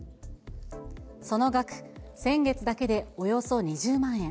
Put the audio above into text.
その額、先月だけでおよそ２０万円。